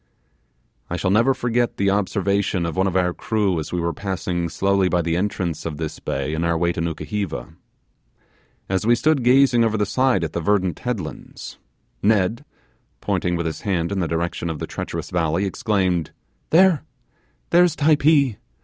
I shall never forget the observation of one of our crew as we were passing slowly by the entrance of the bay in our way to Nukuheva. As we stood gazing over the side at the verdant headlands, Ned, pointing with his hand in the direction of the treacherous valley, exclaimed, 'There there's Typee.